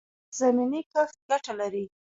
د توت زمینی کښت ګټه لري؟